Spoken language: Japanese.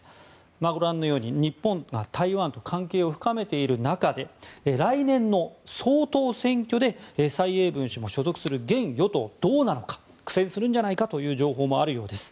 ご覧のように日本が台湾と関係を深めている中で来年の総統選挙で蔡英文氏の所属する現与党はどうなのか苦戦するんじゃないかという情報もあるようです。